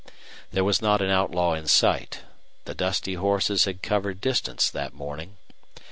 There was not an outlaw in sight. The dusty horses had covered distance that morning.